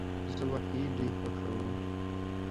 زه واقعی دوی خوښوم